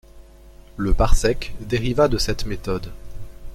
Le parsec dériva de cette méthode.